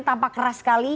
tampak keras sekali